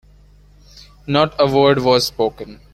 Not a word was spoken.